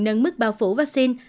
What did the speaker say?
nâng mức bão phủ vaccine